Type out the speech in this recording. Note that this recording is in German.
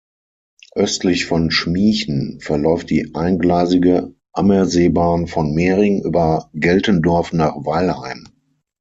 Östlich von Schmiechen verläuft die eingleisige Ammerseebahn von Mering über Geltendorf nach Weilheim.